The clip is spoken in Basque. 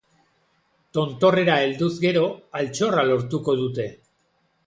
Tontorrera helduz gero, altxorra lortuko dute.